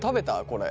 これ。